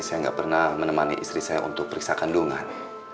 saya nggak pernah menemani istri saya untuk periksa kandungan